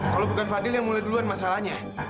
kalau bukan fadil yang mulai duluan masalahnya